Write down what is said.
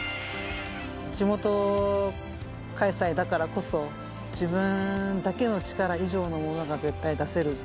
地元開催だからこそ、自分だけの力以上のものが絶対出せる。